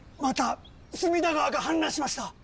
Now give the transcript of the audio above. また隅田川が氾濫しました！